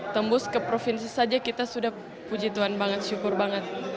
tembus ke provinsi saja kita sudah puji tuhan banget syukur banget